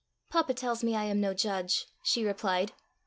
"Papa tells me I am no judge," she replied.